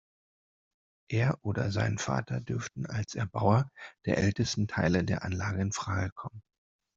Er oder sein Vater dürften als Erbauer der ältesten Teile der Anlage infrage kommen.